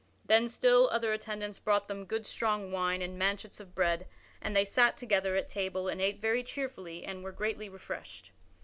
Then still other attendants brought them good strong wine and manchets of bread and they sat together at table and ate very cheerfully and were greatly refreshed.